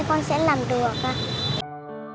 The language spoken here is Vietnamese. con sẽ làm được